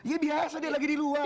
ya biasa dia lagi di luar